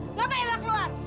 ngapain lo keluar